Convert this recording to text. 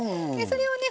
それをね